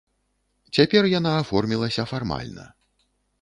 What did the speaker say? Цяпер яна аформілася фармальна.